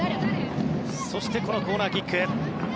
そしてこのコーナーキック。